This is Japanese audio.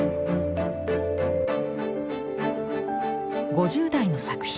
５０代の作品。